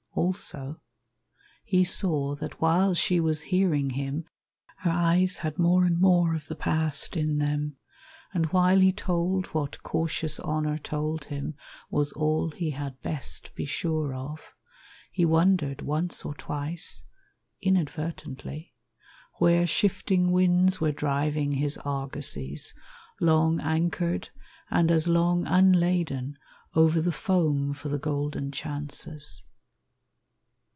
Also, he saw that while she was hearing him Her eyes had more and more of the past in them; And while he told what cautious honor Told him was all he had best be sure of, He wondered once or twice, inadvertently, Where shifting winds were driving his argosies, Long anchored and as long unladen, Over the foam for the golden chances.